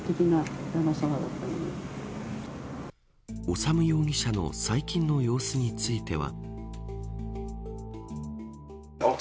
修容疑者の最近の様子については。